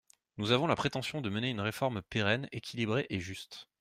Nous avons la prétention de mener une réforme pérenne, équilibrée et juste.